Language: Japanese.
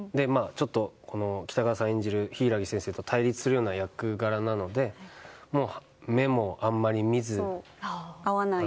北川さん演じる柊木先生と対立するような役柄なので目もあんまり見ずに。